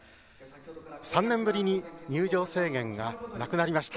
３年ぶりに入場制限がなくなりました。